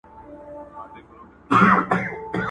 څو یې ستا تېره منگول ته سمومه!!